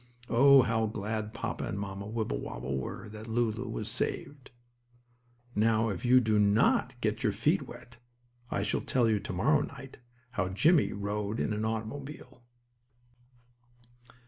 Oh, how glad Papa and Mamma Wibblewobble were that Lulu was saved! Now, if you do not get your feet wet, I shall tell you, to morrow night, how Jimmie rode in an automobile.